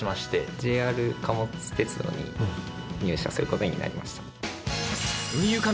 ＪＲ貨物鉄道に入社する事になりました。